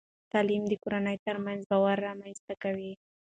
تعلیم د کورنۍ ترمنځ باور رامنځته کوي.